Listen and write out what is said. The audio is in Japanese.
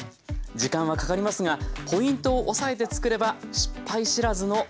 時間はかかりますがポイントを押さえて作れば失敗知らずの黄金レシピです。